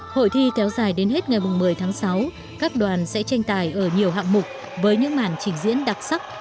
hội thi kéo dài đến hết ngày một mươi tháng sáu các đoàn sẽ tranh tài ở nhiều hạng mục với những màn trình diễn đặc sắc